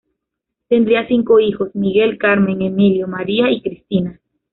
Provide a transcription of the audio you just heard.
Tendrían cinco hijos: Miguel, Carmen, Emilio, María y Cristina.